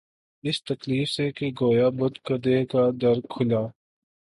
اس تکلف سے کہ گویا بت کدے کا در کھلا